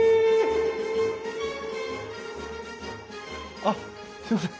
あっすいません。